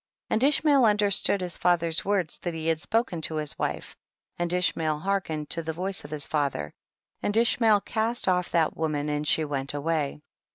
36. And Ishmael understood his father's words that he had spoken to his wife, and Ishmael hearkened to the voice of his father, and Islnnael cast off that woman and she went away.